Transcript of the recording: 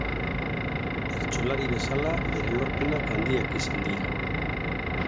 Bertsolari bezala bere lorpenak handiak izan dira.